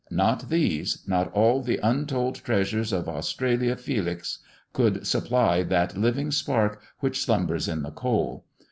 not these, not all the untold treasures of Australia Felix, would supply that living spark which slumbers in the coal.